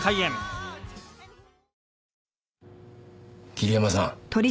桐山さん